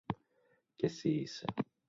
Και συ είσαι.